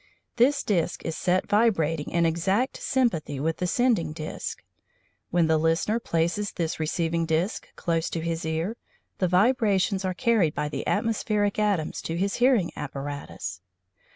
This disc is set vibrating in exact sympathy with the sending disc. When the listener places this receiving disc close to his ear, the vibrations are carried by the atmospheric atoms to his hearing apparatus.